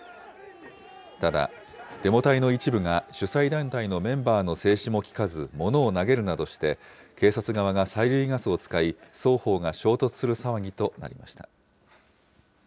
ただ、デモ隊の一部が主催団体のメンバーの制止も聞かず、物を投げるなどして、警察側が催涙ガスを使い、双方が衝突する騒ぎとなりました。